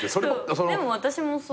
でも私もそう。